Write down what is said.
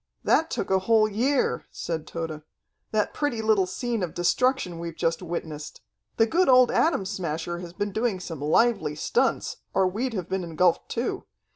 "That took a whole year," said Tode. "That pretty little scene of destruction we've just witnessed. The good old Atom Smasher has been doing some lively stunts, or we'd have been engulfed too.